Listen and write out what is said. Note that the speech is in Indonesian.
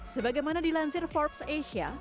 sebagaimana dilansir forbes asia